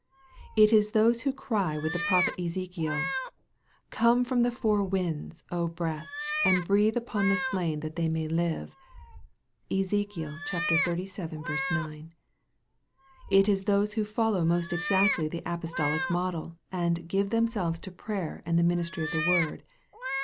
It is those who cry with the prophet Ezekiel, " Come from the four winds, breath, and breathe upon these slain that they may live." (Ezek. xxxvii. 9.) It is those who follow most exactly the apostolic model, and " give themselves to prayer, and the ministry of the word."